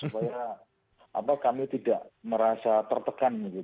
supaya kami tidak merasa tertekan